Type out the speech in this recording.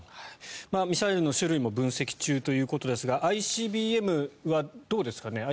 ミサイルの種類も分析中ということですがＩＣＢＭはどうですかね？